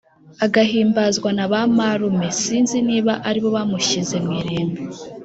Agahimbazwa na ba marume sinzi niba ari bo bamushyize mw'irimbi